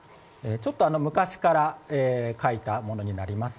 昔から書いたものになります。